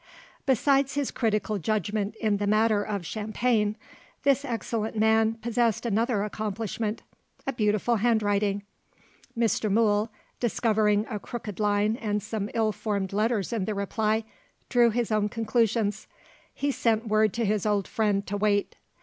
Besides his critical judgment in the matter of champagne, this excellent man possessed another accomplishment a beautiful handwriting. Mr. Mool, discovering a crooked line and some ill formed letters in the reply, drew his own conclusions. He sent word to his old friend to wait.